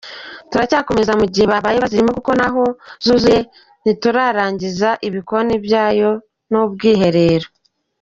Turacyakomeza mu gihe babaye bazirimo kuko n’aho zuzuye ntiturarangiza ibikoni byayo n’ubwiherero.